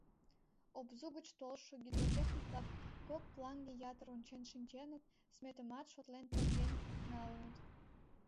Обзу гыч толшо гидротехник-влак кок планге ятыр ончен шинченыт, сметымат шотлен терген налыныт.